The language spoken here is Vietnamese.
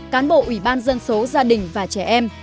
cán bộ ủy ban dân số gia đình và trẻ em